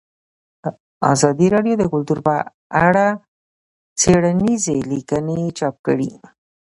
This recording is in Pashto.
ازادي راډیو د کلتور په اړه څېړنیزې لیکنې چاپ کړي.